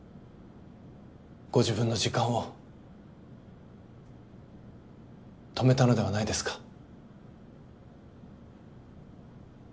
ご自分の時間を止めたのではないですか？